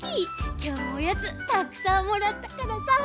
きょうもおやつたくさんもらったからさ。